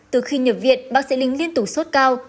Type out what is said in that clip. từ khi nhập viện bác sĩ lính liên tục sốt cao